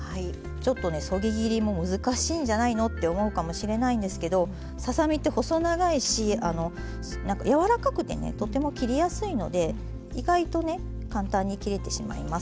ちょっとねそぎ切りも難しいんじゃないのって思うかもしれないんですけどささ身って細長いし柔らかくてねとても切りやすいので意外とね簡単に切れてしまいます。